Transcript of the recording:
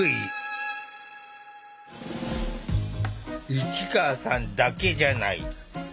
市川さんだけじゃない。